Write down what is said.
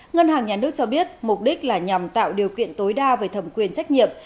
ngân hàng nhà nước cho biết mục đích là nhằm tạo điều kiện tối đa về thẩm quyền trách nhiệm